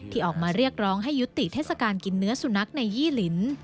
ออกมาเรียกร้องให้ยุติเทศกาลกินเนื้อสุนัขในยี่ลิ้น